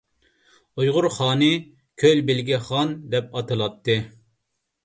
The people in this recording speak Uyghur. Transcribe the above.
ئۇيغۇر خانى «كۆل بىلگە خان» دەپ ئاتىلاتتى.